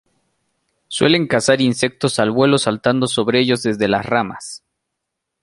Suelen cazar insectos al vuelo saltando sobre ellos desde las ramas.